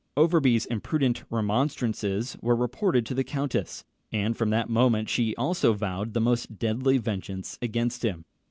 Overbury's imprudent remonstrances were reported to the countess; and from that moment she also vowed the most deadly vengeance against him.